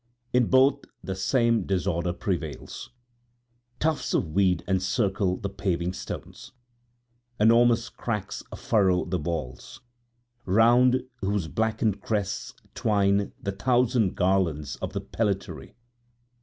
In both the same disorder prevails. Tufts of weed encircle the paving stones. Enormous cracks furrow the walls, round whose blackened crests twine the thousand garlands of the pellitory.